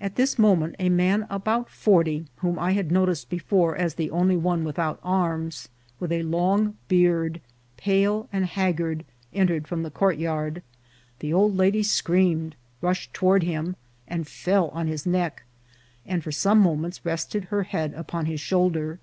At this moment a man about forty, whom I had noticed before as the only one without arms, with a long beard, pale and haggard, entered from the courtyard. The old lady screamed, rushed toward him, and fell on his neck, and for some moments rested her head upon his shoulder.